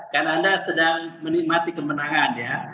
karena anda sedang menikmati kemenangan ya